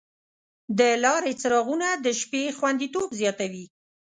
د لارې څراغونه د شپې خوندیتوب زیاتوي.